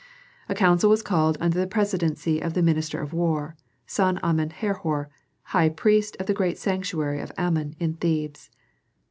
A council was called under the presidency of the minister of war, San Amen Herhor, high priest of the great sanctuary of Amon in Thebes.